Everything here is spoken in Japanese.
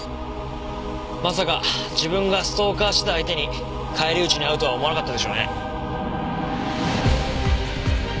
まさか自分がストーカーしてた相手に返り討ちに遭うとは思わなかったでしょうね。